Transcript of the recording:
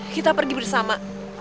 kita pergi bersama